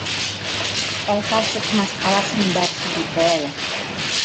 E é case como se falasen en verso entre elas.